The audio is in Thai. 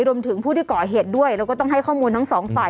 รวมถึงผู้ที่ก่อเหตุด้วยแล้วก็ต้องให้ข้อมูลทั้งสองฝ่าย